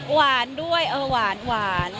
หวานด้วยเออหวาน